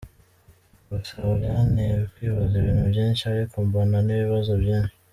Gusa byanteye kwibaza ibintu byinshi ariko mbona n'ibisubizo byinshi.